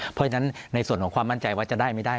เพราะฉะนั้นในส่วนของความมั่นใจว่าจะได้ไม่ได้